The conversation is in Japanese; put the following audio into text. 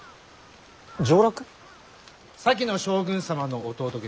先の将軍様の弟君